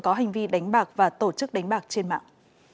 có hành vi đánh bạc và tổ chức đánh bạc trên mạng